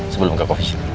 sebelum gak kofisien